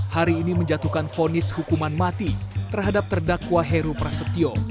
hari ini menjatuhkan fonis hukuman mati terhadap terdakwa heru prasetyo